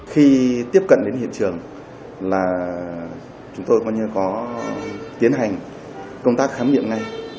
khi tiếp cận đến hiện trường là chúng tôi coi như có tiến hành công tác khám nghiệm ngay